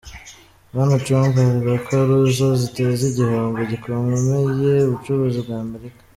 Bwana Trump avuga ko ari zo ziteza igihombo gikomeye ubucuruzi bw'Amerika.